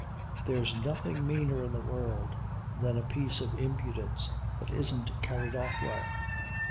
There's nothing meaner in the world than a piece of impudence that isn't carried off well.